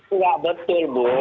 enggak betul bu